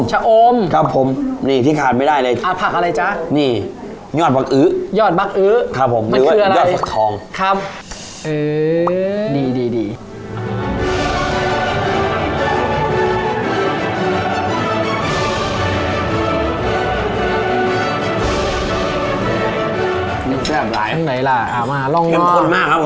เช็มข้นมากครับผม